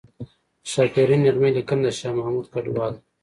د ښاپیرۍ نغمې لیکنه د شاه محمود کډوال ده